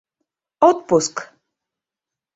Отпуск...